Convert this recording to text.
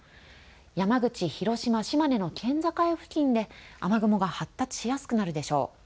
山口、広島、島根の県境付近で雨雲が発達しやすくなるでしょう。